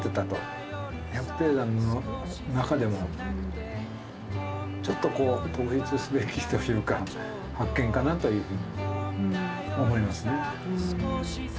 百低山の中でもちょっとこう特筆すべきというか発見かなというふうに思いますね。